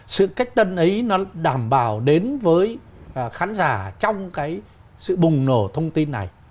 sự cách tân ấy nó đảm bảo đến với khán giả trong cái sự bùng nổ thông tin này